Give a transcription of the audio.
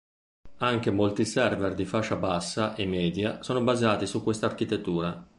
Anche molti server di fascia bassa e media sono basati su quest'architettura.